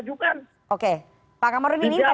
jangan sampai ada yang sudah diberikan